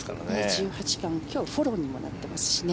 １８番、今日フォローにもなってますしね。